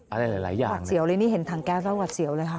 อะไรอย่างนี้ปักแสวมันนี่เห็นทางแก๊สแล้วปักแสวเลยค่ะ